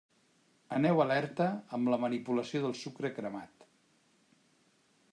Aneu alerta amb la manipulació del sucre cremat.